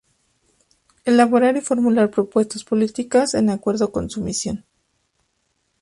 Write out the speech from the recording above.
Elaborar y formular propuestas políticas en acuerdo con su misión.